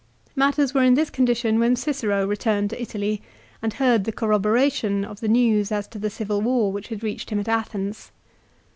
Matters were in this condition when Cicero returned to Italy and heard the corroboration of the news as to the civil war which had reached him at Athens.